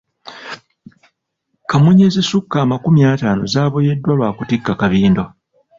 Kamunye ezisukka amakumi ataano zaaboyeddwa lwa kutikka kabindo.